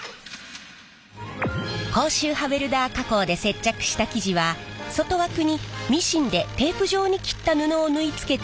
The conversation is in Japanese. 高周波ウェルダー加工で接着した生地は外枠にミシンでテープ状に切った布を縫い付けた